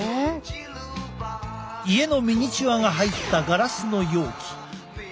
家のミニチュアが入ったガラスの容器。